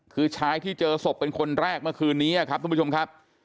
คือชายที่เจอศพเป็นคนแรกเมื่อคืนนี้ครับทุกผู้ชมครับ